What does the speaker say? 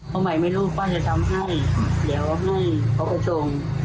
ตอนมันไม่รู้ป้าจะทำให้เดี๋ยวให้ก็ผ่าตรง